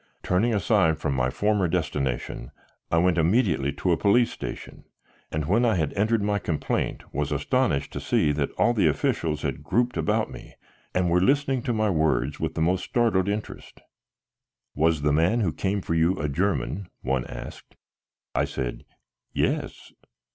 Turning aside from my former destination, I went immediately to a police station and when I had entered my complaint was astonished to see that all the officials had grouped about me and were listening to my words with the most startled interest. "Was the man who came for you a German?" one asked. I said "Yes."